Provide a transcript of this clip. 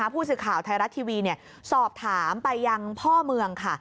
ผู้สื่อข่าวไทยรัฐทีวีสอบถามไปยังพ่อเมืองค่ะ